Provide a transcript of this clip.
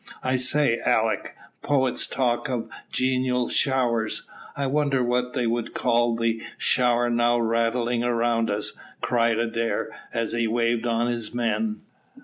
"I say, Alick, poets talk of genial showers; I wonder what they would call the shower now rattling round us?" cried Adair, as he waved on his men.